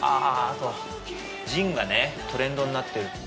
あとジンがねトレンドになってる。